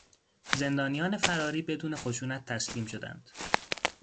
زندانیان فراری بدون خشونت تسلیم شدند.